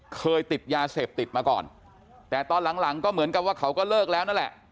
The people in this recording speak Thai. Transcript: เคยติดยาเสพติดมาก่อนแต่ตอนหลังหลังก็เหมือนกับว่าเขาก็เลิกแล้วนั่นแหละ